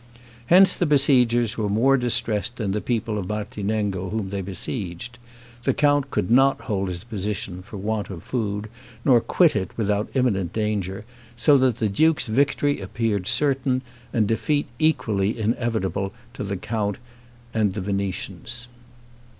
Hence the besiegers were more distressed than the people of Martinengo whom they besieged. The count could not hold his position for want of food, nor quit it without imminent danger; so that the duke's victory appeared certain, and defeat equally inevitable to the count and the Venetians.